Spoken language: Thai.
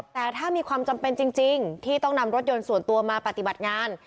แต่ถ้ามีความจำเป็นจริงที่ต้องนำรถยนต์ส่วนตัวมาปฏิบัติงาน